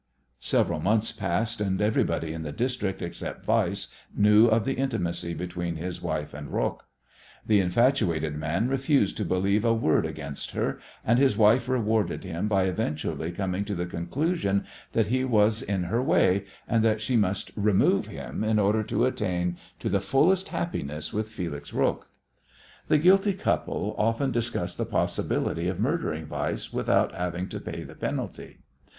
Several months passed, and everybody in the district except Weiss knew of the intimacy between his wife and Roques. The infatuated man refused to believe a word against her, and his wife rewarded him by eventually coming to the conclusion that he was in her way, and that she must "remove" him in order to attain to the fullest happiness with Felix Roques. The guilty couple often discussed the possibility of murdering Weiss without having to pay the penalty.